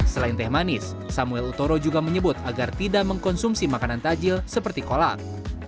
selain teh manis samuel utoro juga menyebut agar tidak mengkonsumsi makanan tajil seperti kolak